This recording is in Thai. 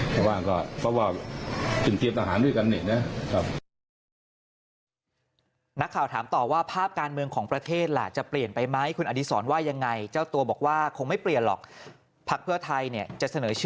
แต่ว่าก็เพราะว่าถึงเตรียมทหารด้วยกันนี่นะ